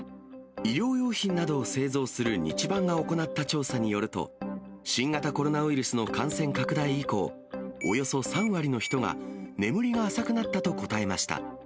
医療用品などを製造するニチバンが行った調査によると、新型コロナウイルスの感染拡大以降、およそ３割の人が、眠りが浅くなったと答えました。